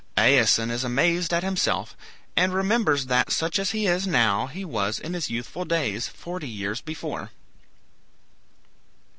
Aeson is amazed at himself, and remembers that such as he now is, he was in his youthful days, forty years before.